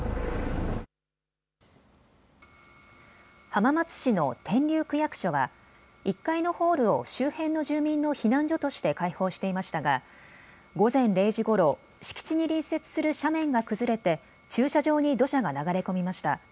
浜松市の天竜区役所は１階のホールを周辺の住民の避難所として開放していましたが午前０時ごろ敷地に隣接する斜面が崩れて駐車場に土砂が流れ込みました。